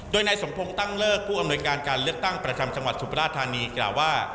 โดยนายสมพงศ์ตั้งเลิกผู้อำนวยการการเลือกตั้งประจำจังหวัดสุบราธานีกล่าวว่า